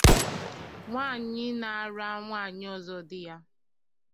nwanyị ịnara nwanyị ọzọ di ya